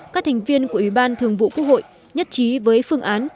các thành viên của ủy ban thường vụ quốc hội nhất trí với phương án